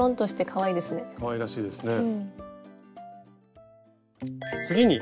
かわいらしいですね。